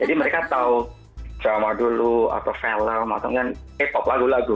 mereka tahu drama dulu atau film atau k pop lagu lagu